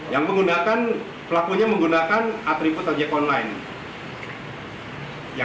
yang menggunakan pelakunya menggunakan atribut ojek online